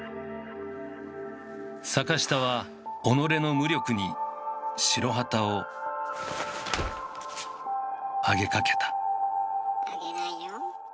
坂下は己の無力に白旗をあげかけたあげないよ。